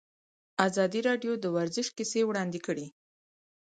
ازادي راډیو د ورزش کیسې وړاندې کړي.